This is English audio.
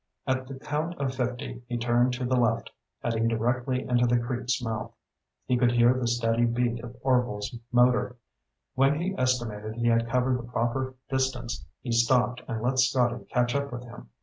At the count of fifty he turned to the left, heading directly into the creek's mouth. He could hear the steady beat of Orvil's motor. When he estimated he had covered the proper distance, he stopped and let Scotty catch up with him.